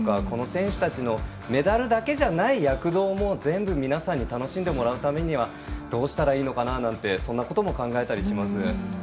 この選手たちのメダルだけじゃない躍動も全部、皆さんに楽しんでもらうためにはどうしたらいいのかななんてそんなことも考えたりします。